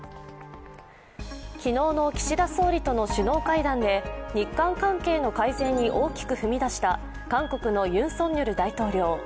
昨日の岸田総理との首脳会談で日韓関係の改善に大きく踏み出した韓国のユン・ソンニョル大統領。